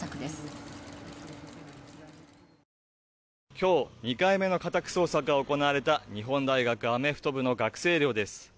今日２回目の家宅捜索が行われた日本大学アメフト部の学生寮です。